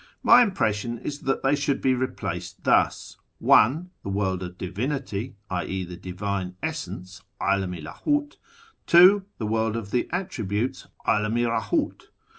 My impression is that they should be replaced thus :— 1. The AVorld of Divinity {i.e. the Divine Essence, 'Alam i LdMt) ; 2. The World of the Attributes (^Alam i RclMt).